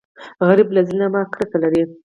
غریب له ظلمه کرکه لري